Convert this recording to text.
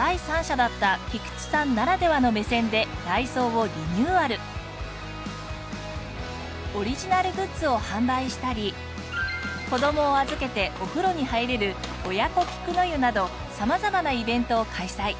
第三者だった菊地さんならではの目線でオリジナルグッズを販売したり子供を預けてお風呂に入れる「おやこ菊の湯」など様々なイベントを開催。